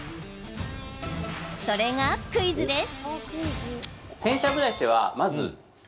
それが、クイズです。